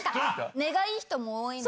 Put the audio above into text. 根がいい人も多いんで。